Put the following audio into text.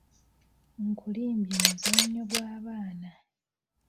Nkulimbye muzannyo gw’abaana.